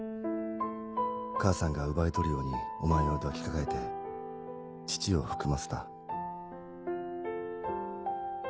母さんが奪い取るようにお前を抱きかかえて乳をふくませた。